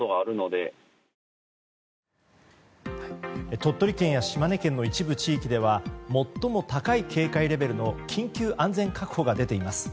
鳥取県や島根県の一部地域では最も高い警戒レベルの緊急安全確保が出ています。